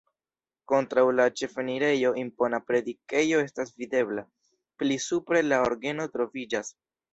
Kontraŭ la ĉefenirejo impona predikejo estas videbla, pli supre la orgeno troviĝas.